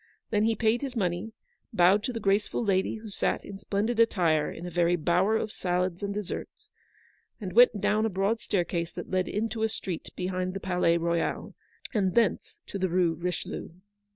Then he paid his money, bowed to the graceful lady who sat in splendid attire in a very bower of salads and desserts, and went down a broad staircase that led into a street behind the Palais Royal, and thence to the Hue Richelieu.